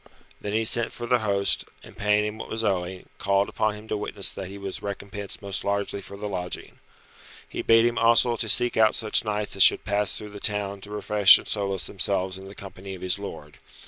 Then he sent for the host, and paying him what was owing, called upon him to witness that he was recompensed most largely for the lodging. He bade him also to seek out such knights as should pass through the town to refresh and solace themselves in the company of his lord.